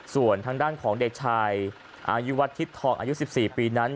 ส่วนทางด้านของเด็กชายอายุวัดทิศทองอายุ๑๔ปีนั้น